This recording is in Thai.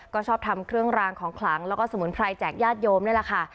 ก็ชอบทำเครื่องรางของขลังแล้วก็สมุนไพรแจกญาติโยมนี่แหละค่ะ